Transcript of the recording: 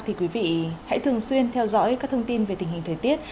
thì quý vị hãy thường xuyên theo dõi các thông tin về tình hình thời tiết